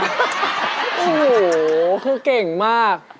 โอ้โหคือเก่งมาก